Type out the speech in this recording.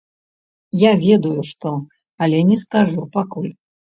Я ведаю што, але не скажу пакуль.